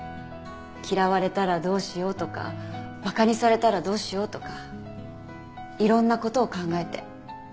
嫌われたらどうしようとかバカにされたらどうしようとかいろんなことを考えて。